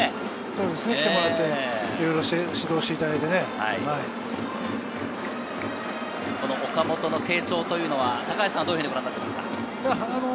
そうですね。来てもらっていろいろ指導していただいて、岡本の成長は、高橋さんは、どうご覧になっていますか？